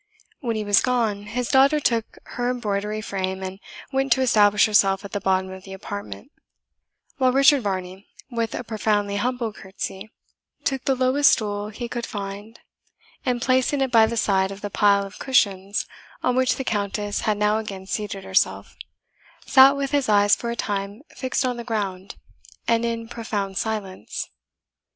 When he was gone, his daughter took her embroidery frame, and went to establish herself at the bottom of the apartment; while Richard Varney, with a profoundly humble courtesy, took the lowest stool he could find, and placing it by the side of the pile of cushions on which the Countess had now again seated herself, sat with his eyes for a time fixed on the ground, and in pro found silence.